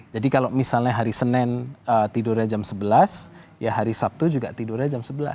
jadi kalau misalnya hari senin tidurnya jam sebelas ya hari sabtu juga tidurnya jam sebelas